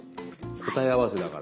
答え合わせだがら。